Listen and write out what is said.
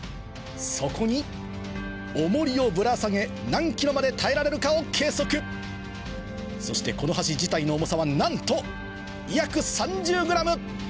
そこに重りをぶら下げ何ｋｇまで耐えられるかを計測そしてこの橋自体の重さはなんと約３０ｇ！